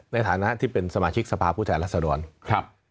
ในฐานะที่เป็นสมาชิกสภาพุทธรรษฎร